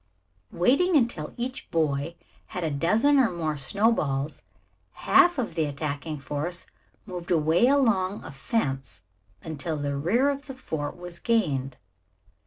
Waiting until each boy had a dozen or more snowballs, half of the attacking force moved away along a fence until the rear of the fort was gained.